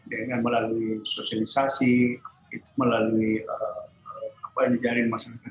dengan melalui sosialisasi melalui apa yang dijarin masyarakat